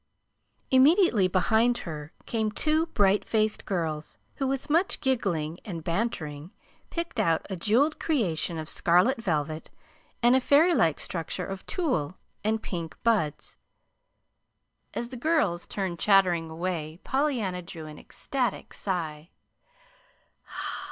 Immediately behind her came two bright faced girls who, with much giggling and bantering, picked out a jeweled creation of scarlet velvet, and a fairy like structure of tulle and pink buds. As the girls turned chattering away Pollyanna drew an ecstatic sigh.